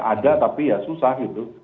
ada tapi ya susah gitu